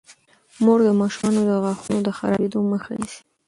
مور د ماشومانو د غاښونو د خرابیدو مخه نیسي.